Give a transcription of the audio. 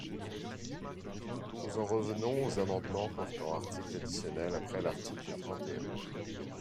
Nous en revenons aux amendements portant articles additionnels après l’article trente et un.